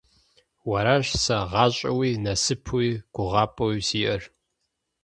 Уэращ сэ гъащӀэуи, насыпуи, гугъапӀэуи сиӀэр.